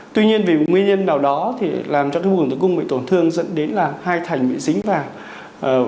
tuy nhiên vì nguyên nhân nào đó thì làm cho cái vùng tử cung bị tổn thương dẫn đến là hai thành bị dính vào